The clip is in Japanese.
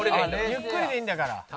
ゆっくりでいいんだから。